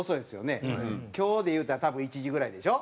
今日でいうたら多分１時ぐらいでしょ？